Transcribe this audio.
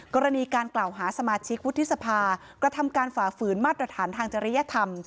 กรณีการกล่าวหาสมาชิกวุฒิสภากระทำการฝ่าฝืนมาตรฐานทางจริยธรรม